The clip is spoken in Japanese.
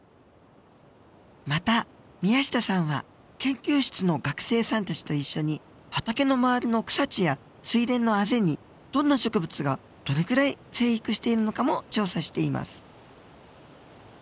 また宮下さんは研究室の学生さんたちと一緒に畑の周りの草地や水田のあぜにどんな植物がどれくらい生育しているのかも調査しています。